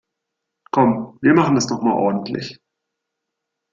Komm, wir machen das noch mal ordentlich.